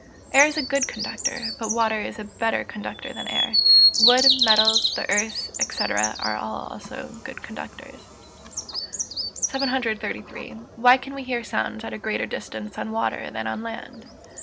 _ Air is a good conductor, but water is a better conductor than air; wood, metals, the earth, &c., are also good conductors. 733. _Why can we hear sounds at a greater distance on water than on land?